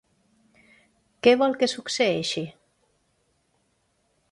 Què vol que succeeixi?